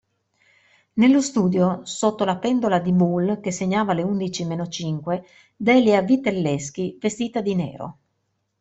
Nello studio, sotto la pendola di Boule, che segnava le undici meno cinque, Delia Vitelleschi, vestita di nero.